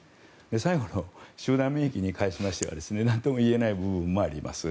最後の集団免疫に関しましてはなんとも言えない部分もあります。